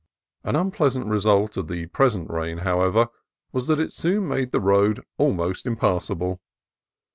An unpleasant result of the present rain, however, was that it soon made the road almost impassable.